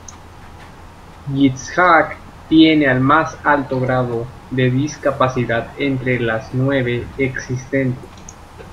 Yitzhak tiene al más alto grado de discapacidad, entre las nueve existentes.